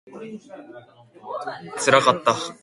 Transport sank.